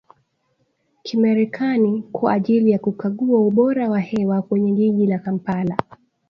kimerekani kwa ajili ya kukagua ubora wa hewa kwenye jiji la Kampala